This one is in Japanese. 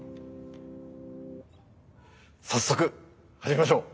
早速始めましょう。